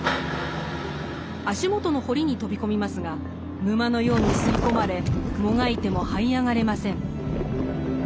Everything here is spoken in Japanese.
足元の堀に飛び込みますが沼のように吸い込まれもがいてもはい上がれません。